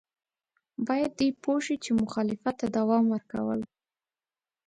باید دوی پوه شي چې مخالفت ته دوام ورکول.